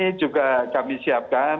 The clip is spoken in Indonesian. ini juga kami siapkan